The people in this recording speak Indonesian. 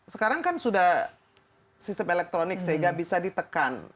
sekarang kan sudah sistem elektronik sehingga bisa ditekan